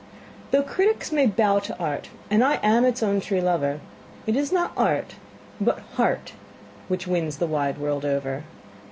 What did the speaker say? Though critics may bow to art, and I am its own true lover, It is not art, but heart, which wins the wide world over.